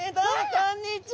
こんにちは！